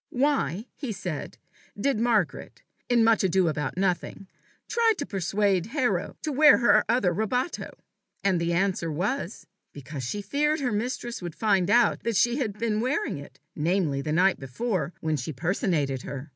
"Why," he said, "did Margaret, in Much ado about Nothing, try to persuade Hero to wear her other rabato?" And the answer was, "Because she feared her mistress would find out that she had been wearing it namely, the night before, when she personated her."